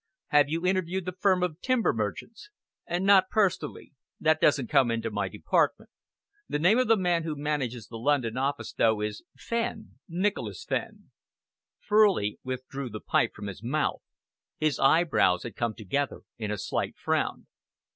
"Have you interviewed the firm of timber merchants?" "Not personally. That doesn't come into my department. The name of the man who manages the London office, though, is Fenn Nicholas Fenn." Furley withdrew the pipe from his mouth. His eyebrows had come together in a slight frown.